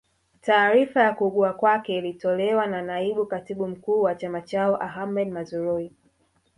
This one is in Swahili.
Taarifa ya kuugua kwake ilitolewa na naibu katibu mkuu wa chama chao Ahmed Mazrui